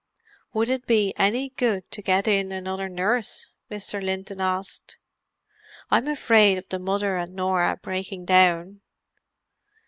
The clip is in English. "Would it be any good to get in another nurse?" Mr. Linton asked. "I'm afraid of the mother and Norah breaking down."